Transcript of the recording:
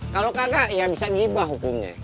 kalau kagak ya bisa gibah hukumnya